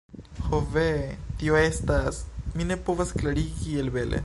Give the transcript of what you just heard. Ho ve... tio estas... mi ne povas klarigi kiel bele